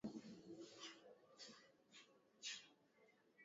Mtu huyo alikuwa wa miraba minane.